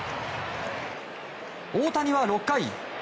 大谷は６回。